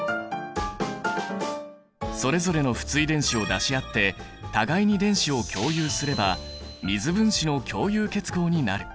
それぞれの不対電子を出し合って互いに電子を共有すれば水分子の共有結合になる。